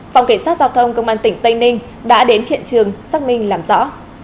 phòng cảnh sát giao thông công an tỉnh tây ninh đã đến hiện trường xác minh làm rõ